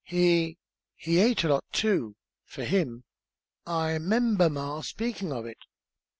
He he ate a lot, too for him. I 'member ma speakin' of it."